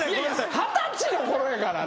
二十歳のころやからね！